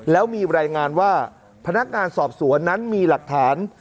แล้วมีรายงานว่าพนักงานสอบสวนนั้นมีหลักฐาน